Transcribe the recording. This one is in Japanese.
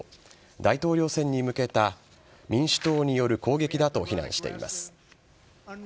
大統領選に向けた民主党による攻撃だと非難しています。